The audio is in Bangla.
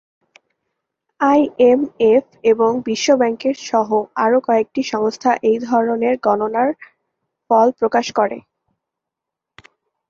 আইএমএফ এবং বিশ্ব ব্যাংক সহ আরও কয়েকটি সংস্থা এই ধরনের গণনার ফল প্রকাশ করে।